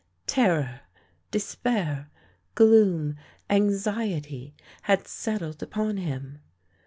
Terror, despair, gloom, anxiety had settled upon him.